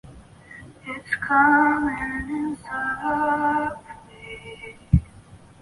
牵引力和制动力通过中心牵引销传递。